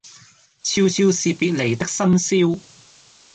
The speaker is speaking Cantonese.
悄悄是別離的笙簫